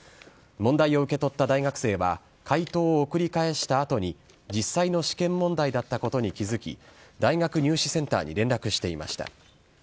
問題を受け取った大学生は、解答を送り返したあとに、実際の試験問題だったことに気付き、大学入試センターに連絡していました。